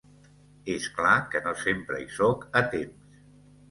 És clar que no sempre hi sóc a temps.